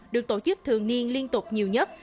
được tổ chức thường niên liên tục nhiều nhất